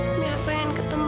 kamila kangen banget sama makan